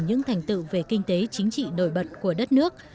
những thành tựu về kinh tế chính trị nổi bật của đất nước